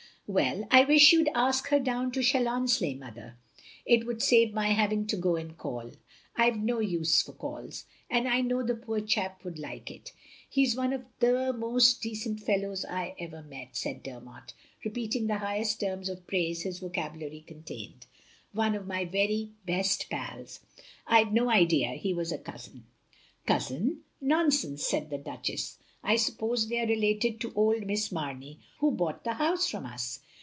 " Well, I wish you *d ask her down to Challon sleigh, mother. It would save my having to go and call. I 've no use for calls. And I know the poor chap would like it. He *s one of the most decent fellows I ever met," said Dermot, repeating the highest terms of praise his vocabu lary contained. "One of my very best paLs. I 'd no idea he was a cousin. " "Cousin, nonsense," said the Duchess, "I suppose they are related to old Miss Mamey who bought the house from us.